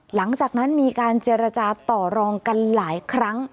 หลังจากนั้นมีการเจรจาต่อรองกันหลายครั้ง